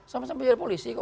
sama sama pikir polisi kok